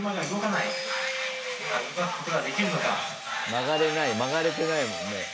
曲がれない曲がれてないもんね。